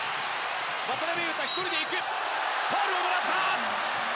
渡邊雄太、１人で行くファウルをもらった。